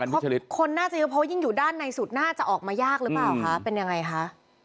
คนน่าจะเยอะเพราะยิ่งอยู่ด้านในสุดน่าจะออกมายากหรือเปล่าคะเป็นยังไงคะ